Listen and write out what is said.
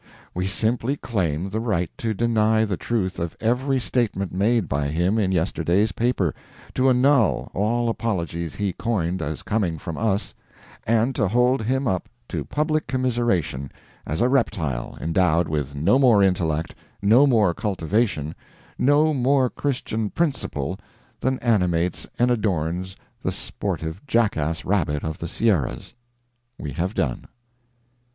We simply claim the right to deny the truth of every statement made by him in yesterday's paper, to annul all apologies he coined as coming from us, and to hold him up to public commiseration as a reptile endowed with no more intellect, no more cultivation, no more Christian principle than animates and adorns the sportive jackass rabbit of the Sierras. We have done.